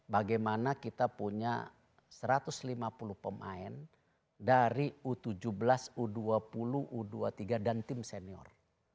bagaimana kita punya satu ratus lima puluh pemain dari u tujuh belas u dua puluh u dua puluh tiga dan tim senior